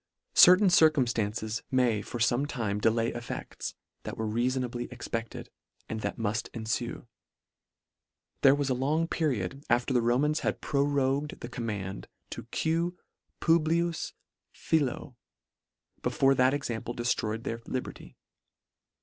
Cer tain circumftances may for fome time delay effects, that were reafonably expected, and that mufl enfue. There was a long period, after the Romans had prorogued the com mand to ' Q^. Publilius Philo, before that example deftroyed their liberty.